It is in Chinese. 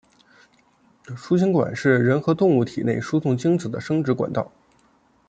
输精管是人和动物体内输送精子的生殖管道。